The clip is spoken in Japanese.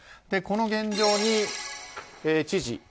この現状に知事